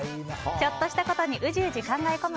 ちょっとしたことにうじうじ考えこむ